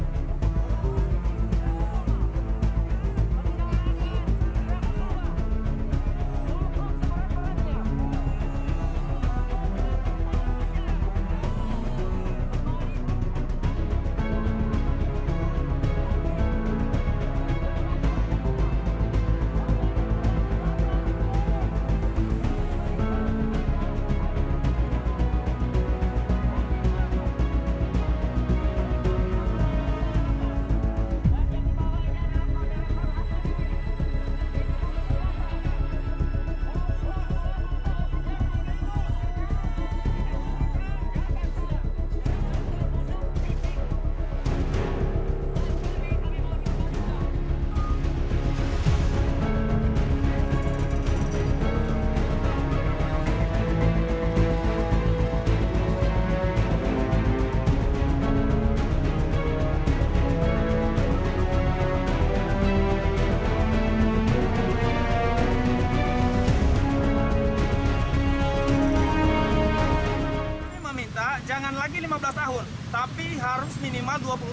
jangan lupa like share dan subscribe channel ini untuk dapat info terbaru